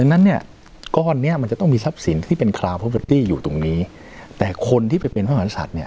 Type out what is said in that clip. ดังนั้นเนี่ยก้อนเนี่ยมันจะต้องมีทรัพย์สินที่เป็นอยู่ตรงนี้แต่คนที่เป็นภาพมหาศาสตร์เนี่ย